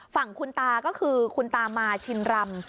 ฝั่งคุณตาก็คือคุณตามาชินรำ